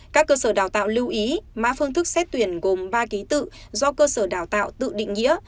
các cơ sở đào tạo lưu ý mã phương thức xét tuyển gồm ba ký tự do cơ sở đào tạo tự định nghĩa